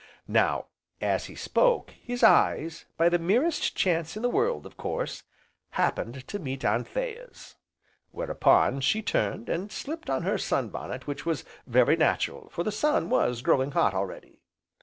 Now as he spoke, his eyes, by the merest chance in the world, of course, happened to meet Anthea's, whereupon she turned, and slipped on her sunbonnet which was very natural, for the sun was growing hot already.